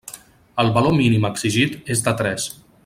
El valor mínim exigit és de tres.